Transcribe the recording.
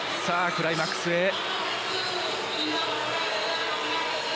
さあ、クライマックスへ。